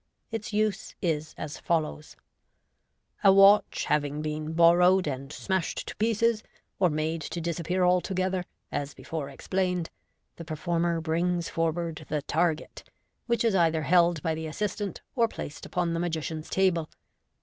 Its use is as follows : A watch having been borrowed, and smashed to pieces or made to disappear altogether. MODERN MA G/C. 22 1 as before explained, the performer brings forward the target, which is either held by the assistant or placed upon the magician's table.